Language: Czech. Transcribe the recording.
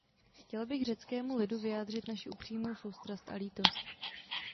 Chtěl bych řeckému lidu vyjádřit naši upřímnou soustrast a lítost.